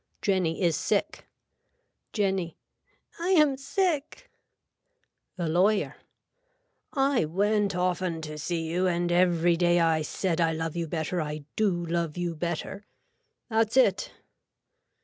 Jenny is sick. (Jenny.) I am sick. (The lawyer.) I went often to see you and every day I said I love you better I do love you better. That's it.